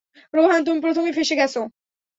রোহান, তুমি প্রথমে ফেঁসে গেছ।